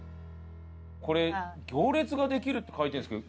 これ「行列ができる」って書いてるんですけど。